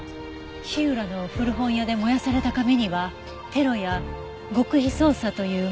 火浦の古本屋で燃やされた紙には「テロ」や「極秘捜査」という文字が書かれていたわ。